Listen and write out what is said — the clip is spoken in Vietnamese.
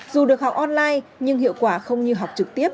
dù được học online nhưng hiệu quả không như học trực tiếp